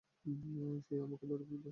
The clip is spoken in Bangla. সে আমাকে ধরে ফেলবে।